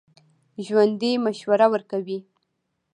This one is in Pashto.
ژوندي مشوره ورکوي